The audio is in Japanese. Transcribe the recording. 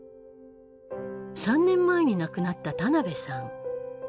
３年前に亡くなった田辺さん。